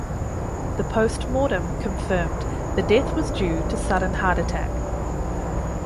The postmortem confirmed the death was due to sudden heart attack.